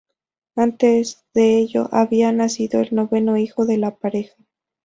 Antes de ello había nacido el noveno hijo de la pareja.